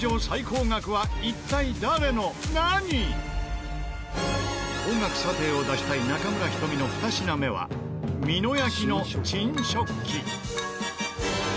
高額査定を出したい中村仁美の２品目は美濃焼の珍食器。